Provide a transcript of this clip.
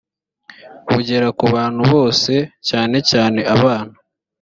bugere ku bantu bose cyane cyane abana